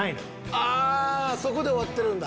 そこで終わってるんだ。